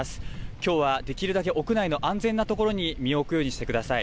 きょうはできるだけ屋内の安全な所に身を置くようにしてください。